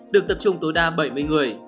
được tập trung tối đa bảy mươi người